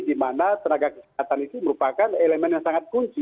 di mana tenaga kesehatan itu merupakan elemen yang sangat kunci